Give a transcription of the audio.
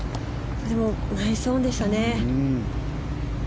でもナイスオンでしたね。